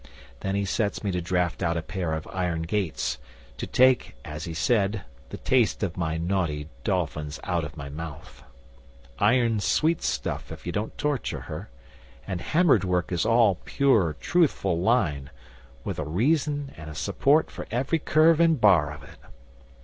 Then he sets me to draft out a pair of iron gates, to take, as he said, the taste of my naughty dolphins out of my mouth. Iron's sweet stuff if you don't torture her, and hammered work is all pure, truthful line, with a reason and a support for every curve and bar of it.